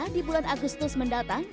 pada bulan agustus mendatang